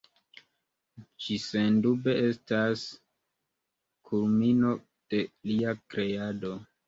Ĝi sendube estas kulmino de lia kreado.